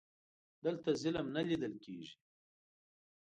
دلته ظلم نه لیده کیږي.